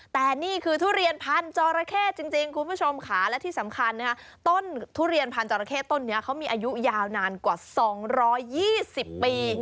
แต่นี่คือทุเรียนพันธอราเข้จริงคุณผู้ชมค่ะและที่สำคัญต้นทุเรียนพันธรเข้ต้นนี้เขามีอายุยาวนานกว่า๒๒๐ปี